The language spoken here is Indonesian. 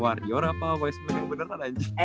warior apa wiseman yang beneran aja